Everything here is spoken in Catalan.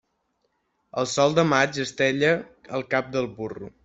El sol de maig estella el cap del burro.